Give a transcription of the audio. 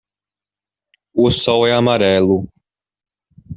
O sol é amarelo.